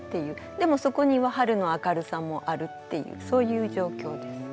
でもそこには春の明るさもあるっていうそういう状況です。